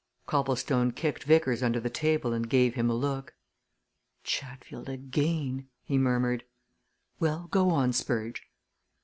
Copplestone kicked Vickers under the table and gave him a look. "Chatfield again!" he murmured. "Well, go on, Spurge."